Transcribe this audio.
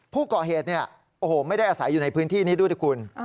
ผู้ก่อเหตุเนี่ยโอ้โหไม่ได้อาศัยอยู่ในพื้นที่นี้ด้วยนะคุณ